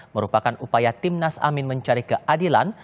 merupakan upaya tim nasamin mencari keadilan